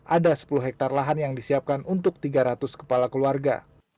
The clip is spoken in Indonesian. ada sepuluh hektare lahan yang disiapkan untuk tiga ratus kepala keluarga